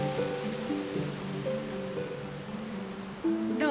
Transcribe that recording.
どう？